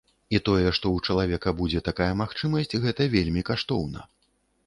І тое, што ў чалавека будзе такая магчымасць, гэта вельмі каштоўна.